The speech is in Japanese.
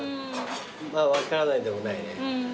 まあ分からないでもないね。